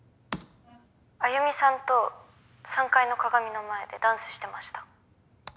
歩美さんと３階の鏡の前でダンスしてました。